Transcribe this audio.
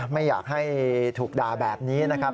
ไม่อยากให้ถูกด่าแบบนี้นะครับ